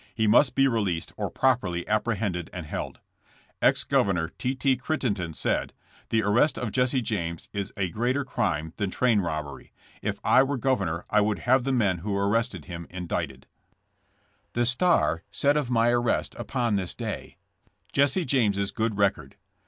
He must be released or properly apprehended and held. *' Ex Governor T. T. Crittenden said: 'The ar rest of Jesse James is a greater crime than train robbery. If I were governor I would have the men who arrested him indicted.' " 184 JESSB JAMBS. The Star said of my arrest upon tliis day: JESSE James's good record.